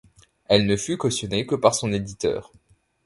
Elle ne fut cautionnée que par son éditeur.